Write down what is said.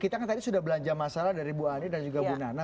kita kan tadi sudah belanja masalah dari bu ani dan juga bu nana